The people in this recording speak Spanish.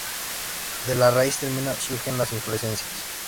De la raíz termina surgen las inflorescencias.